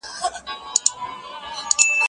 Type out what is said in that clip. زه به سبا کتابونه وړم؟!